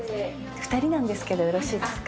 ２人なんですけどよろしいですか？